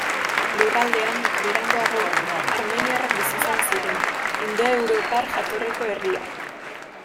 Lurraldean, beranduago, armeniarrak bizi izan ziren, indoeuropar jatorriko herria.